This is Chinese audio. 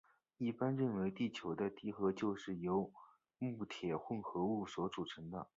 一般认为地球的地核就是由镍铁混合物所组成的。